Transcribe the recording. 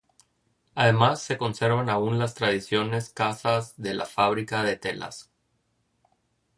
Además se conservan aún las tradicionales casas de la fábrica de telas.